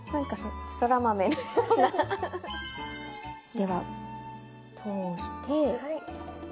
では通して。